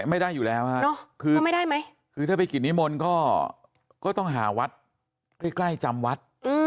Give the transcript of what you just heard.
ไม่ได้อยู่แล้วฮะคือไม่ได้ไหมคือถ้าไปกิจนิมนต์ก็ต้องหาวัดใกล้จำวัด